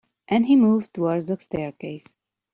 And he moved towards the staircase.